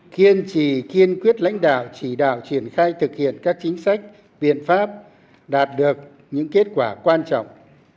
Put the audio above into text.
kiên trì kiên quyết lãnh đạo chỉ đạo triển khai thực hiện các chính sách biện pháp đạt được những kết quả quan trọng